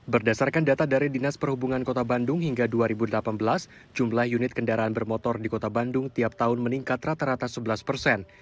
berdasarkan data dari dinas perhubungan kota bandung hingga dua ribu delapan belas jumlah unit kendaraan bermotor di kota bandung tiap tahun meningkat rata rata sebelas persen